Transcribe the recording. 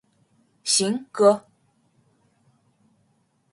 行，哥！